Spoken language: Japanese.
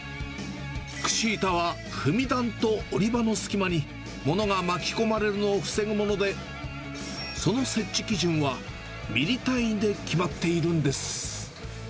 くし板は踏み段と降り場の隙間に、物が巻き込まれるのを防ぐもので、その設置基準はミリ単位で決まっているんです。